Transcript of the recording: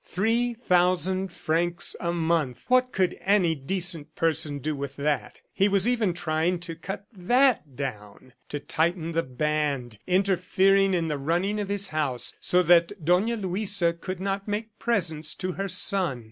Three thousand francs a month! what could any decent person do with that? ... He was even trying to cut THAT down, to tighten the band, interfering in the running of his house, so that Dona Luisa could not make presents to her son.